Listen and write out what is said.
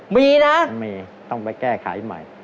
มีนะมีต้องไปแก้ไขใหม่